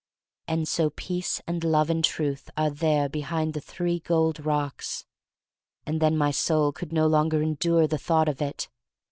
And so Peace and Love and Truth are there behind the three gold rocks. And then my soul could no longer endure the thought of it.